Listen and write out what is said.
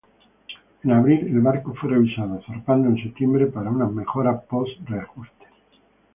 En abril, el barco fue revisado, zarpando en septiembre para unas mejoras post reajuste.